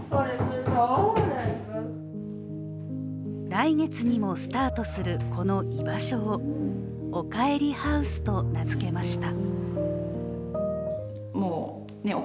来月にもスタートするこの居場所をおかえりハウスと名付けました。